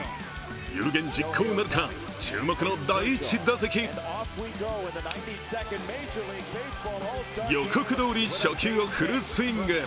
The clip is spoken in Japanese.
有言実行なるか、注目の第１打席予告どおり初球をフルスイング。